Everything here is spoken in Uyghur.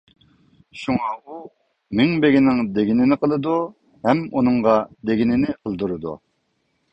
شۇڭا ئۇ مىڭبېگىنىڭ دېگىنىنى قىلىدۇ ھەم ئۇنىڭغا دېگىنىنى قىلدۇرىدۇ.